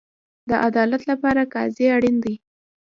د عدالت لپاره قاضي اړین دی